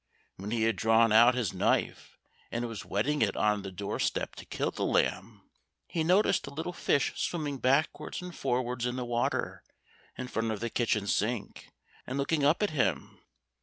When he had drawn out his knife and was whetting it on the door step to kill the lamb, he noticed a little fish swimming backwards and forwards in the water, in front of the kitchen sink and looking up at him.